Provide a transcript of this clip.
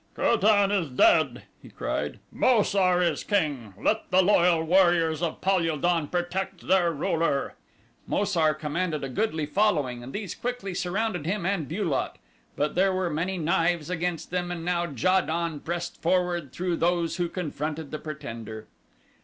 "Ko tan is dead!" he cried. "Mo sar is king! Let the loyal warriors of Pal ul don protect their ruler!" Mo sar commanded a goodly following and these quickly surrounded him and Bu lot, but there were many knives against them and now Ja don pressed forward through those who confronted the pretender.